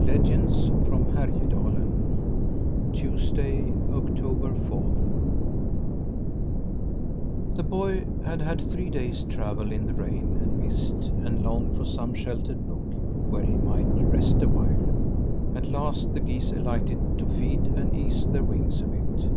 LEGENDS FROM HÄRJEDALEN Tuesday, October fourth. The boy had had three days' travel in the rain and mist and longed for some sheltered nook, where he might rest awhile. At last the geese alighted to feed and ease their wings a bit.